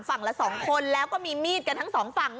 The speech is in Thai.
ฝั่งละสองคนและก็มีมีดกันทั้งสองฝั่ง